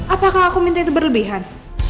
apakah aku minta itu berlebihan